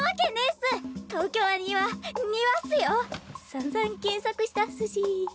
さんざん検索したっすし。